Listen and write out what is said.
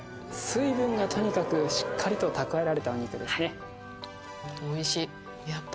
水分がとにかくしっかりと蓄えられたお肉ですね。